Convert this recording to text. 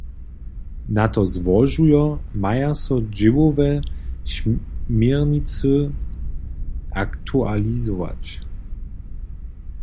Na to złožujo, maja so dźěłowe směrnicy aktualizować.